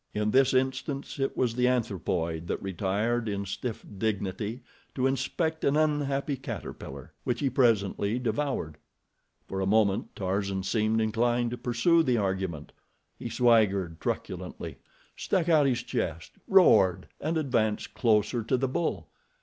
In this instance it was the anthropoid that retired in stiff dignity to inspect an unhappy caterpillar, which he presently devoured. For a moment Tarzan seemed inclined to pursue the argument. He swaggered truculently, stuck out his chest, roared and advanced closer to the bull.